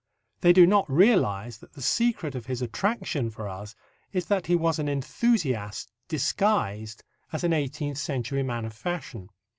They do not realize that the secret of his attraction for us is that he was an enthusiast disguised as an eighteenth century man of fashion.